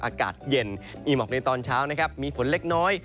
อากาศเย็นมีหมอกในตอนเช้านะครับมีฝนเล็กน้อย